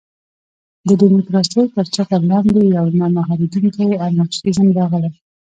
د ډیموکراسۍ تر چتر لاندې یو نه مهارېدونکی انارشېزم راغلی.